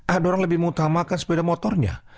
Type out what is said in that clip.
ada orang lebih mengutamakan sepeda motornya